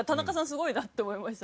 すごいなって思いましたね。